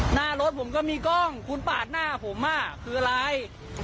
หน้ารถผมก็มีกล้องคุณปาดหน้าผมคืออะไร